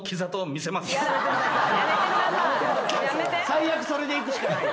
最悪それでいくしかない。